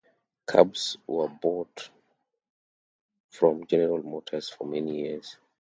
Cabs were bought from General Motors for many years.